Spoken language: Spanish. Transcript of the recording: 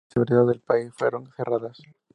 Todas las universidades del país fueron cerradas.